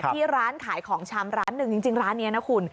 ที่ร้านขายของชำร้านหนึ่งจริงร้านนี้นะคุณ